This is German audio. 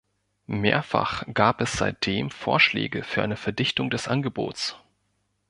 Mehrfach gab es seitdem Vorschläge für eine Verdichtung des Angebots.